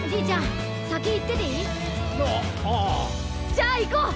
じゃあいこう！